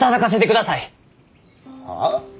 はあ！？